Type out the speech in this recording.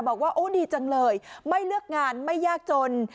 บอกว่าโอ้ดีจังเลยไม่เลือกงานไม่ยากจน